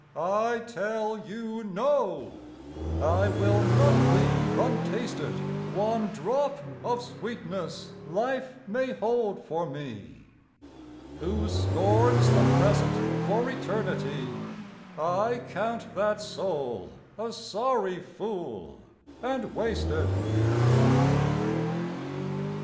I tell you no! I will not leave untasted One drop of sweetness life may hold for me: Who scorns the present for eternity I count that soul a sorry fool and wasted.